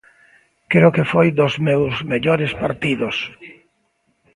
Creo que foi dos meus mellores partidos.